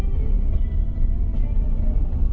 ตอนนี้ก็เปลี่ยนแบบนี้แหละ